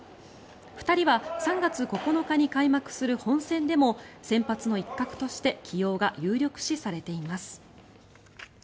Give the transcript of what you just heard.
２人は３月９日に開幕する本戦でも先発の一角として起用が有力視されています。